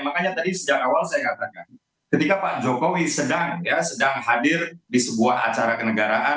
makanya tadi sejak awal saya katakan ketika pak jokowi sedang ya sedang hadir di sebuah acara kenegaraan